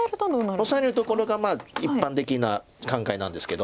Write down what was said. オサえるところが一般的な考えなんですけど。